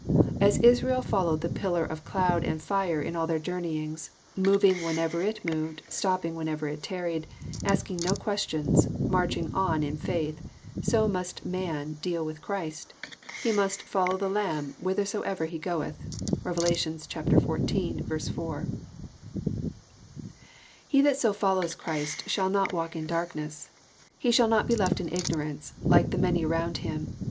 As Israel followed the pillar of cloud and fire in all their jonmeyings— moving whenever it moved, stopping whenever it tarried, asking no qnestions, marching on in faith — so mast a man deal with Christ. He mast ^' follow the Lamb whithersoever He goeth." (Bev. xiv. 4.) He that so follows Christ shall ^^ not walk in darkness." He shall not be left in ignorance, like the many aroand him.